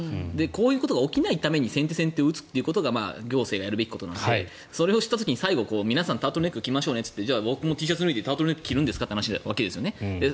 こういうことが起きないために先手先手を打つというのが行政がやるべきことなのでそれを知った時に皆さん、タートルネック着ましょうねと言って僕もＴシャツ脱いでタートルネック着るんですか？という話ですよね。